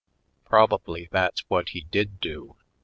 Probably that's w^hat he did do.